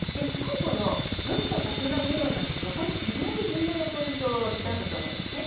最後のロシア国内世論なんですが非常に重要なポイントだと思います。